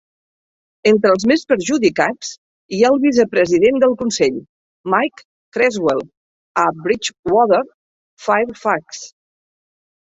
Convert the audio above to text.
Entre els més perjudicats hi ha el vicepresident del consell, Mike Creswell, a Bridgwater Fairfax.